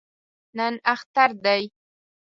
نن اختر دی